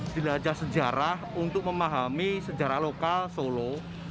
jelajah sejarah untuk memahami sejarah lokal solo